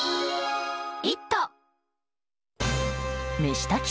飯炊き